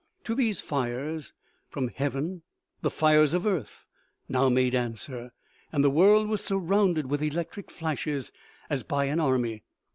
To these fires from heaven the fires of earth now made answer, and the world was surrounded with electric flashes, as by an army.